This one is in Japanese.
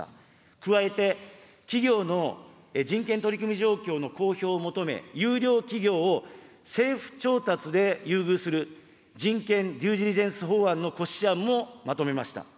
加えて、企業の人権取組状況の公表を求め、優良企業を政府調達で優遇する、人権デューデリジェンス法案の骨子案もまとめました。